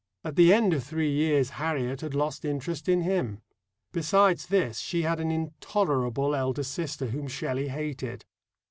At the end of three years Harriet had lost interest in him. Besides this, she had an intolerable elder sister whom Shelley hated.